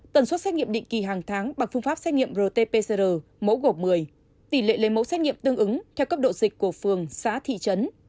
tần suất xét nghiệm định kỳ hàng tháng bằng phương pháp xét nghiệm rt pcr mẫu gộp một mươi tỷ lệ lấy mẫu xét nghiệm tương ứng theo cấp độ dịch của phường xã thị trấn